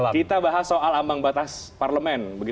kita bahas soal ambang batas parlemen